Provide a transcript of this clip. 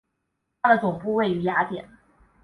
它的总部位于雅典。